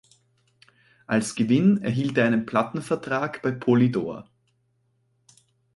Als Gewinn erhielt er einen Plattenvertrag bei Polydor.